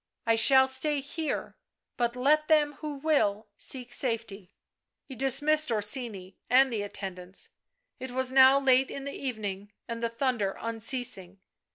" I shall stay here; but let them who will, seek safety." He dismissed Orsini and the attendants. It was now late in the evening — and the thunder unceasing.